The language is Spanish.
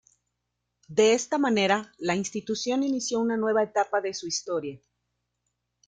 De esta manera, la Institución inició una nueva etapa de su historia.